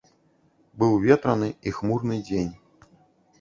Быў ветраны і хмурны дзень.